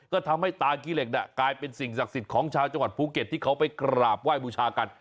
ก็ทำให้ตาขี้เหล็กกลายเป็นสิ่งศักดิ์สิทธิ์ของชาวจังหวัดภูเก็ตที่เขาไปกราบไหว้บูชากัน